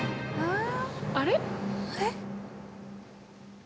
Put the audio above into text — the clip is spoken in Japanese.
あれ？